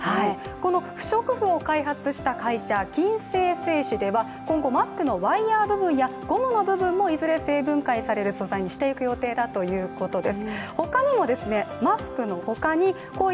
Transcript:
この不織布を開発した会社、金星製紙では今後、マスクのワイヤー部分やゴムもいずれ海洋生分解される素材にしていく予定だということです。